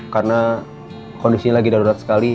karena kondisinya lagi darurat sekali